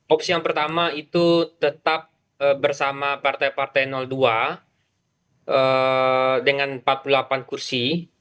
opsi yang pertama itu tetap bersama partai partai dua dengan empat puluh delapan kursi